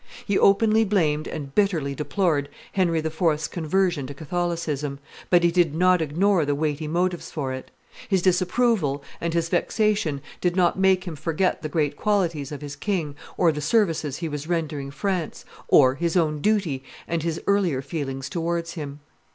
He openly blamed and bitterly deplored Henry IV.'s conversion to Catholicism, but he did not ignore the weighty motives for it; his disapproval and his vexation did not make him forget the great qualities of his king or the services he was rendering France, or his own duty and his earlier feelings towards him.